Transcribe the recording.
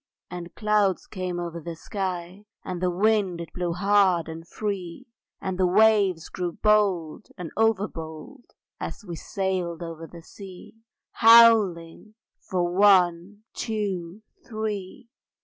And clouds came over the sky, And the wind it blew hard and free, And the waves grew bold and over bold As we sailed over the sea; Howling for One, Two, Three!